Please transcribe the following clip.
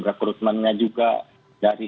rekrutmennya juga dari